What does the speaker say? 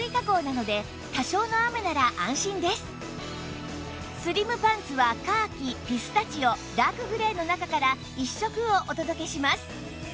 またスリムパンツはカーキピスタチオダークグレーの中から１色をお届けします